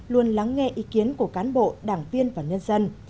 luôn lắng nghe ý kiến của cán bộ đảng viên và nhân dân